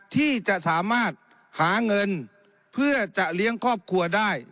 ที่จะสามารถหาเงินเพื่อจะเลี้ยงครอบครัวได้